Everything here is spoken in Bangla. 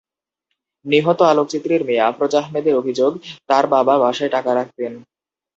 নিহত আলোচিত্রীর মেয়ে আফরোজ আহমেদের অভিযোগ, তাঁর বাবা বাসায় টাকা রাখতেন।